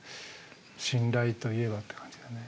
「信頼といえば」って感じでね。